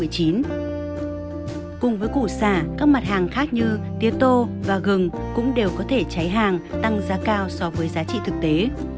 cùng với củ xả các mặt hàng khác như tia tô và gừng cũng đều có thể cháy hàng tăng giá cao so với giá trị thực tế